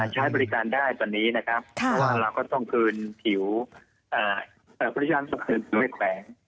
ใช้บริการได้ตอนนี้นะครับแล้วเราก็ต้องคืนผิวผู้ชายต้องคืนผิวแขวง